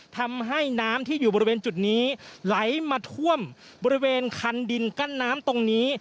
ทำให้น้ำที่อยู่บริเวณจุดนี้ไหลมาท่วมบริเวณคันดินกั้นน้ำตรงนี้